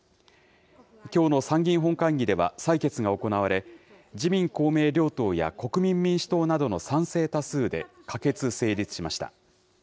きょうの参議院本会議では採決が行われ、自民、公明両党や国民民主党などの賛成多数で、可決・成立しました。